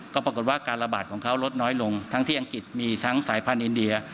ก็ปรากฏว่าการระบาดของเขาลดน้อยลงทั้งที่อังกฤษมีทั้งสายพันธุ์อินเดีย